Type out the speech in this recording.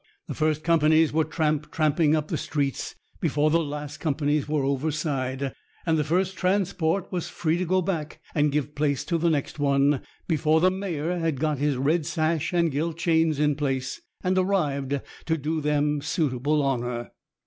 The first companies were tramp tramping up the streets before the last companies were overside, and the first transport was free to go back and give place to the next one before the mayor had got his red sash and gilt chains in place and arrived to do them suitable honor.